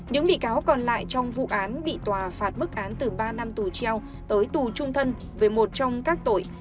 những bị cáo còn lại trong vụ án bị tòa phạt mức án từ ba năm tù treo tới tù trung thân về một trong các tội